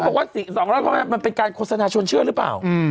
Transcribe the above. บอกว่า๒๐๐ข้อมันเป็นการโฆษณาชวนเชื่อหรือเปล่า